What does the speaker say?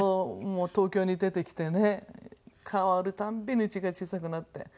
もう東京に出てきてね変わるたんびにうちが小さくなって。